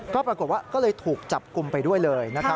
ก็ปรากฏว่าก็เลยถูกจับกลุ่มไปด้วยเลย